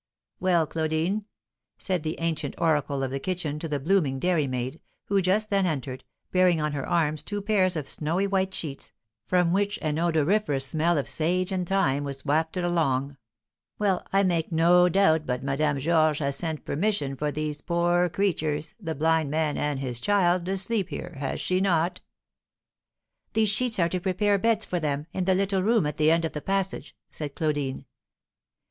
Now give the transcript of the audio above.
Well, Claudine," said the ancient oracle of the kitchen to the blooming dairymaid, who just then entered, bearing on her arms two pairs of snowy white sheets, from which an odoriferous smell of sage and thyme was wafted along, "well, I make no doubt but Madame Georges has sent permission for these poor creatures, the blind man and his child, to sleep here, has she not?" "These sheets are to prepare beds for them, in the little room at the end of the passage," said Claudine.